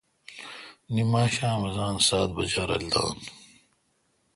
نماشام اذان سات بجا رل دان